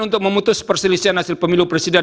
untuk memutus perselisihan hasil pemilu presiden